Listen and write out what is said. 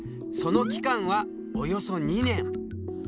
その期間はおよそ２年。